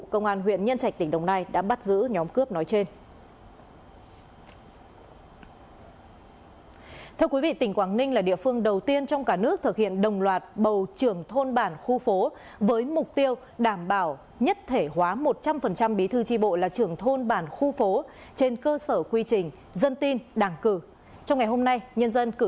công an huyện nhân trạch tỉnh đồng nai đã bắt giữ